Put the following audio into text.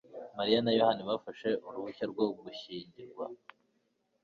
Mariya na Yohana bafashe uruhushya rwo gushyingirwa